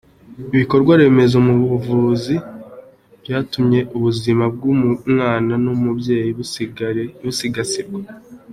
Ibikorwa remezo mu buvuzi byatumye ubuzima bw’umwana n’umubyeyi busigasirwa.